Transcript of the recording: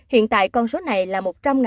hiện tại con số này là một trăm linh